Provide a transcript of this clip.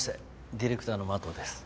ディレクターの麻藤です。